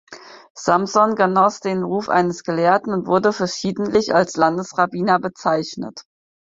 Samson genoss den Ruf eines Gelehrten und wurde verschiedentlich als Landesrabbiner bezeichnet.